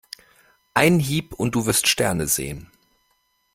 Ein Hieb und du wirst Sterne sehen.